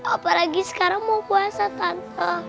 apalagi sekarang mau puasa tantang